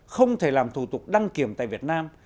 không thể làm thủ tục đăng kiểm tại việt nam